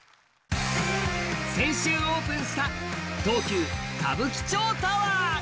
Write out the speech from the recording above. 先週オープンした東急歌舞伎町タワー。